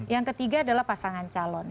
yang ketiga adalah pasangan calon